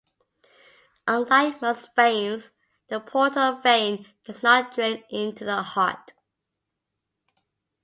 Unlike most veins, the portal vein does not drain into the heart.